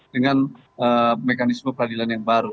dengan mekanisme peradilan yang baru